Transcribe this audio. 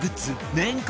年間